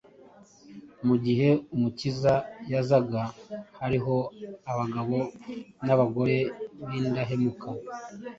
Mu gihe Umukiza yazaga hariho abagabo n’abagore b’indahemuka